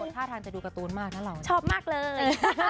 ท่าทางจะดูการ์ตูนมากนะเราชอบมากเลย